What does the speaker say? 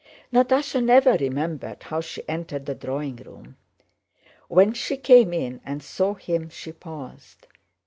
Natásha never remembered how she entered the drawing room. When she came in and saw him she paused.